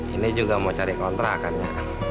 ini juga mau cari kontrakan ya